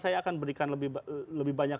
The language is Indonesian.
saya akan berikan lebih banyak